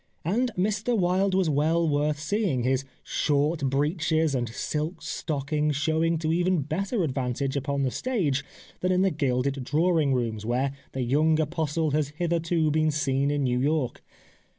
And Mr Wilde was well worth seeing, his short breeches and silk stockings showing to even better advantage upon the stage than in the gilded drawing rooms, where the young apostle has hitherto been seen in New York.